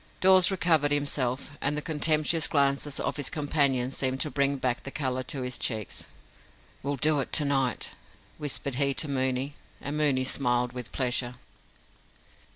Dawes recovered himself, and the contemptuous glances of his companions seemed to bring back the colour to his cheeks. "We'll do it to night," whispered he to Mooney, and Mooney smiled with pleasure.